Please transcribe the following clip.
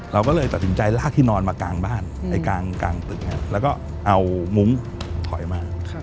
เราก็เลยตัดสินใจลากที่นอนมากลางบ้านกลางตึกแล้วก็เอามุ้งถอยมา